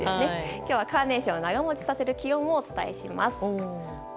今日はカーネーションを長持ちさせる気温をお伝えします。